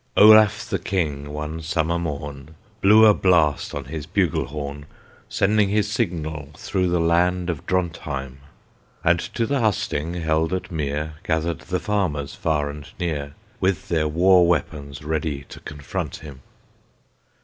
Olaf the King, one summer morn, Blew a blast on his bugle horn, Sending his signal through the land of Drontheim. And to the Hus Ting held at Mere Gathered the farmers far and near, With their war weapons ready to confront him.